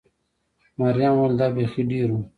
مريم وویل: دا بېخي ډېر و.